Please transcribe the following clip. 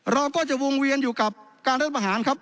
เราก็จะวงเวียนอยู่กับการรัฐธรรมหาล